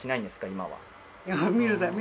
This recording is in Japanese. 今は。